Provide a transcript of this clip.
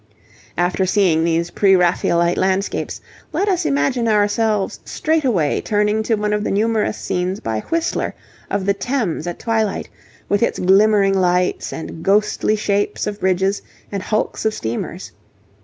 After seeing these Pre Raphaelite landscapes, let us imagine ourselves straightway turning to one of the numerous scenes by Whistler of the Thames at twilight, with its glimmering lights and ghostly shapes of bridges and hulks of steamers.